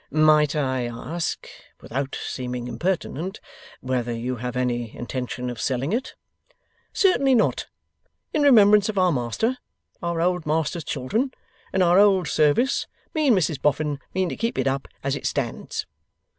'Might I ask, without seeming impertinent, whether you have any intention of selling it?' 'Certainly not. In remembrance of our old master, our old master's children, and our old service, me and Mrs Boffin mean to keep it up as it stands.